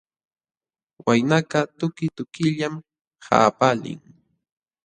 Waynakaq tuki tukillam qapalin.